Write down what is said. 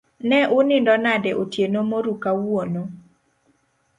Ne unindo nade otieno moruu kawuono?